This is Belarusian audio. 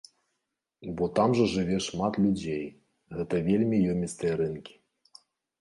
Бо там жа жыве шмат людзей, гэта вельмі ёмістыя рынкі.